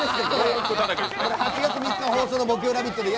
８月３日放送の木曜「ラヴィット！」